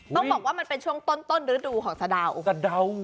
ต้องบอกว่ามันเป็นช่วงต้นฤดูของสะดาวสะดาว